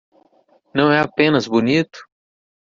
Não é apenas bonito?